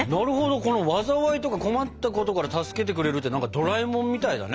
この災いとか困ったことから助けてくれるってドラえもんみたいだね。